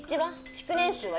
築年数は？